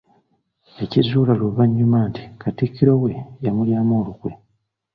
Yakizuula luvannyuma nti katikkiro we yamulyamu olukwe.